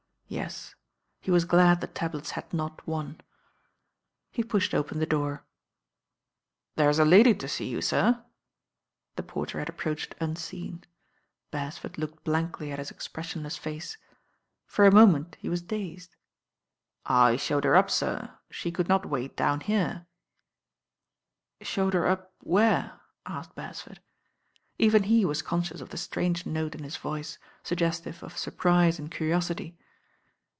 Yes he was glad the tablets had r/ l v. on. * He pushed open the door. "There's a lady to see you, s.r ' I T^! ff'^f! «PPro HeJ tin^cn. Btresford looked blankly at his expressionless fat p. lor a moment he was dazed. "I showed her up, sir. She couJd aot ;^ ait down here " "Showed her up where?" asked Beresford. Even he was conscious of the strange note in his voice, sug gestive of surprise and curiosity.